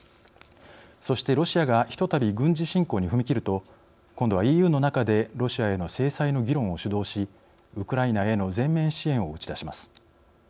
そして、ロシアがひとたび軍事侵攻に踏み切ると今度はＥＵの中でロシアへの制裁の議論を主導しウクライナへの全面支援を打ち出します。